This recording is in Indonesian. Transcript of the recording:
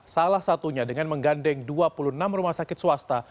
salah satunya dengan menggandeng dua puluh enam rumah sakit swasta